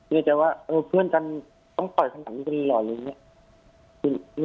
คิดใจว่าเพื่อนกันต้องปล่อยขนาดนี้กันหรืออะไรอย่างนี้